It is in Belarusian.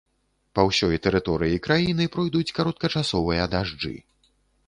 Па ўсёй тэрыторыі краіны пройдуць кароткачасовыя дажджы.